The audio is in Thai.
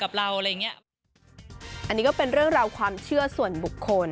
กับกับเราอะไรอย่างเงี้ยอันนี้ก็เป็นเรื่องราวความเชื่อส่วนบุคคล